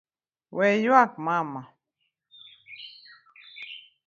We yuak mama.